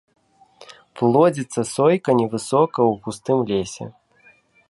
Плодзіцца сойка невысока ў густым лесе.